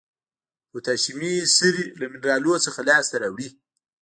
پوتاشیمي سرې له منرالونو څخه لاس ته راوړي.